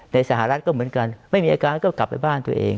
สหรัฐก็เหมือนกันไม่มีอาการก็กลับไปบ้านตัวเอง